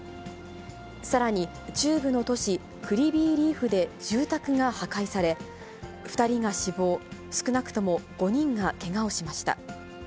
さらに、中部の都市クリビーリーフで住宅が破壊され、２人が死亡、少なくとも５人がけがをしました。